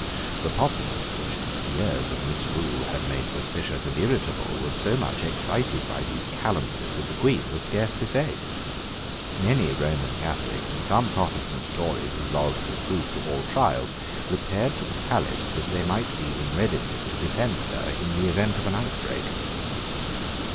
The populace, which years of misrule had made suspicious and irritable, was so much excited by these calumnies that the Queen was scarcely safe. Many Roman Catholics, and some Protestant Tories whose loyalty was proof to all trials, repaired to the palace that they might be in readiness to defend her in the event of an outbreak.